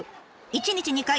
一日２回